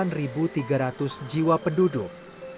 dan hampir delapan ribu tiga ratus jiwa penduduk